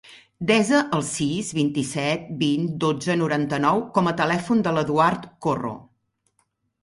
Desa el sis, vint-i-set, vint, dotze, noranta-nou com a telèfon de l'Eduard Corro.